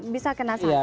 bisa kena sama